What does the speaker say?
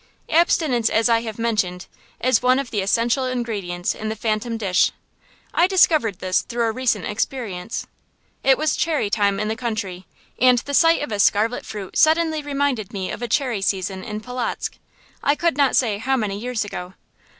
Abstinence, as I have mentioned, is one of the essential ingredients in the phantom dish. I discovered this through a recent experience. It was cherry time in the country, and the sight of the scarlet fruit suddenly reminded me of a cherry season in Polotzk, I could not say how many years ago.